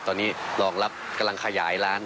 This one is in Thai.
ตอนนี้รองรับกำลังขยายร้าน